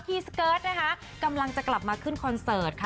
สเกิร์ตนะคะกำลังจะกลับมาขึ้นคอนเสิร์ตค่ะ